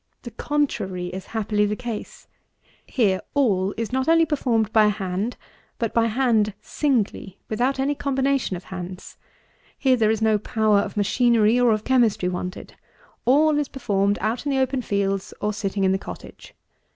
The contrary is happily the case: here all is not only performed by hand, but by hand singly, without any combination of hands. Here there is no power of machinery or of chemistry wanted. All is performed out in the open fields, or sitting in the cottage.